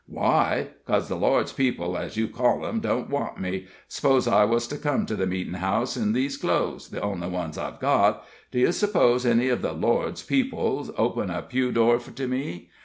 "Why? 'Cos the Lord's people, as you call 'em, don't want me. S'pose I was to come to the meetin' house in these clothes the only ones I've got d'ye s'pose any of the Lord's people 'd open a pew door to me?